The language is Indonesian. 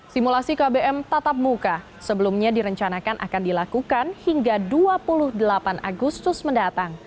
simulasi kbm tatap muka sebelumnya direncanakan akan dilakukan hingga dua puluh delapan agustus mendatang